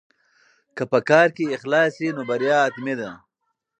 که په کار کې اخلاص وي نو بریا حتمي ده.